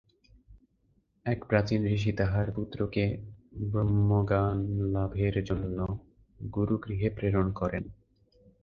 এক প্রাচীন ঋষি তাঁহার পুত্রকে ব্রহ্মজ্ঞানলাভের জন্য গুরুগৃহে প্রেরণ করেন।